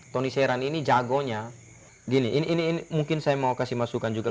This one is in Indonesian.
tony seran ini jagonya gini ini mungkin saya mau kasih masukan juga